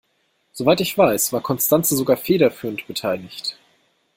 Soweit ich weiß, war Constanze sogar federführend beteiligt.